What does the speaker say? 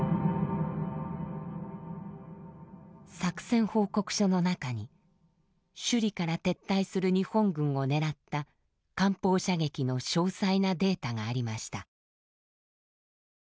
作戦報告書の中に首里から撤退する日本軍を狙った艦砲射撃の詳細なデータがありました。